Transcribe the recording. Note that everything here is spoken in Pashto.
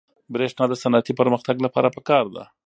برېښنا د صنعتي پرمختګ لپاره پکار ده.